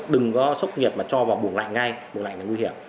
đừng có sốc nhiệt mà cho vào bụng lạnh ngay bụng lạnh là nguy hiểm